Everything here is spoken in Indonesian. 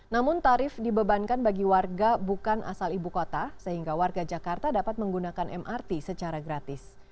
namun tarif dibebankan bagi warga bukan asal ibu kota sehingga warga jakarta dapat menggunakan mrt secara gratis